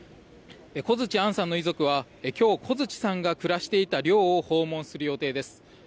小槌杏さんの遺族は今日、小槌さんが暮らしていた寮を訪問する予定です。